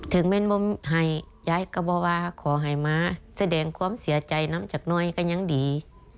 แม่นมให้ยายก็บอกว่าขอให้มาแสดงความเสียใจน้ำจากน้อยก็ยังดี